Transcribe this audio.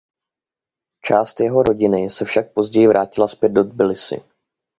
Část jeho rodiny se však později vrátila zpět do Tbilisi.